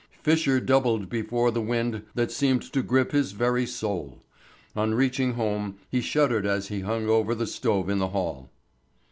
Fisher doubled before the wind that seemed to grip his very soul. On reaching home he shuddered as he hung over the stove in the hall.